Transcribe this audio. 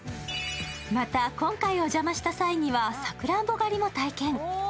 また、今回、お邪魔した際にはさくらんぼ狩りも体験。